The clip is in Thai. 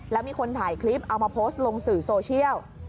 แล้วมีคนถ่ายคลิปเอามาโพสต์ลงสื่อโซเชียล